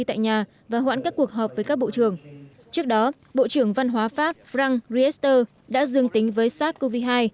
tại nhà và hoãn các cuộc họp với các bộ trưởng trước đó bộ trưởng văn hóa pháp frank riester đã dương tính với sars cov hai